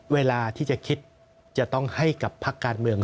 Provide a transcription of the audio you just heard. เวลาที่จะคิดจะต้องให้กับพักการเมือง